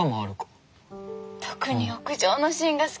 特に屋上のシーンが好きで。